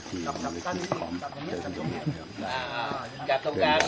สวัสดีครับ